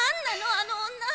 あの女。